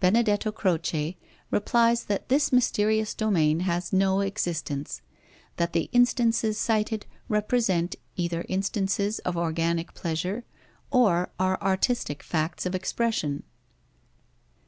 Benedetto Croce replies that this mysterious domain has no existence; that the instances cited represent, either instances of organic pleasure, or are artistic facts of expression.